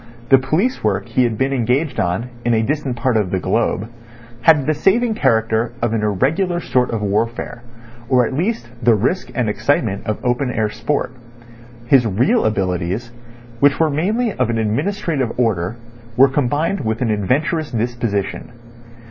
The police work he had been engaged on in a distant part of the globe had the saving character of an irregular sort of warfare or at least the risk and excitement of open air sport. His real abilities, which were mainly of an administrative order, were combined with an adventurous disposition.